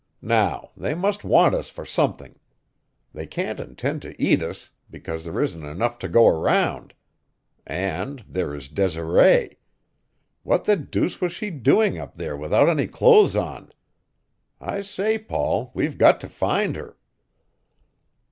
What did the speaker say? Now, they must want us for something. They can't intend to eat us, because there isn't enough to go around. And there is Desiree. What the deuce was she doing up there without any clothes on? I say, Paul, we've got to find her."